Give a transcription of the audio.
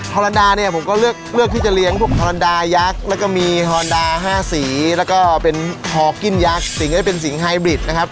อรันดาเนี่ยผมก็เลือกที่จะเลี้ยงพวกฮอลันดายักษ์แล้วก็มีฮอนดา๕สีแล้วก็เป็นฮอกกินยักษ์สิ่งนี้เป็นสิงไฮบริดนะครับ